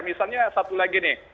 misalnya satu lagi nih